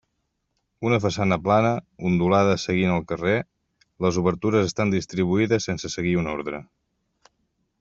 Una façana plana, ondulada seguint el carrer, les obertures estan distribuïdes sense seguir un ordre.